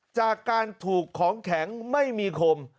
จากการถูกของแข็งไม่มีคม